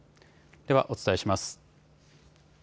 ではお伝えします。